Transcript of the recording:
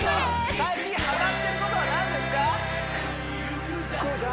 最近はまってることは何ですか？